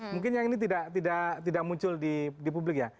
mungkin yang ini tidak muncul di publik ya